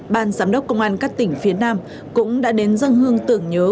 ban giám đốc công an các tỉnh phía nam cũng đã đến dân hương tưởng nhớ